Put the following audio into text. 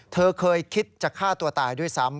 เธอเคยคิดจะฆ่าตัวตายด้วยซ้ำ